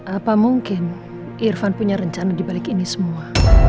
apa mungkin irfan punya rencana dibalik ini semua